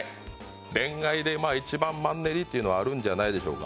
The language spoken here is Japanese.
恋愛で一番マンネリというのはあるんじゃないでしょうか。